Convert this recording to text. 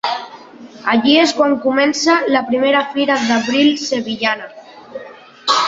Allí és quan comença la primera Fira d'Abril sevillana.